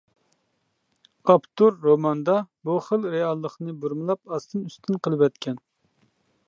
ئاپتور روماندا بۇ خىل رېئاللىقنى بۇرمىلاپ ئاستىن-ئۈستۈن قىلىۋەتكەن.